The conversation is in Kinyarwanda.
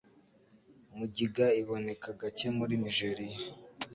Mugiga iboneka gake muri Nigeria